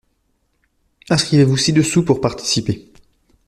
Inscrivez-vous ci-dessous pour participer.